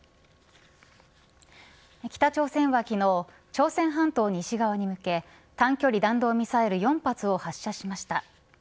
北朝鮮は昨日朝鮮半島西側に向け短距離弾道ミサイル４発を発射しました。